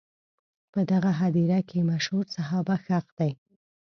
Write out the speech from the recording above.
په دغه هدیره کې مشهور صحابه ښخ دي.